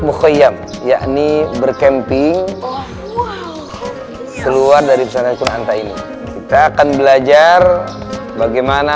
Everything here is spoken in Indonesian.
mukhiyam yakni berkemping keluar dari pesan akun hantar ini kita akan belajar bagaimana